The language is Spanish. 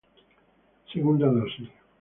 Segunda dosis